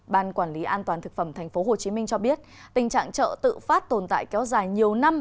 ban quản lý an toàn thực phẩm tp hcm cho biết tình trạng chợ tự phát tồn tại kéo dài nhiều năm